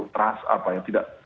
teras apa ya tidak